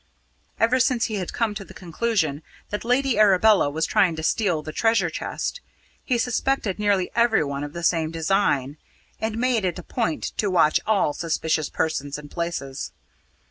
Ever since he had come to the conclusion that Lady Arabella was trying to steal the treasure chest, he suspected nearly everyone of the same design, and made it a point to watch all suspicious persons and places.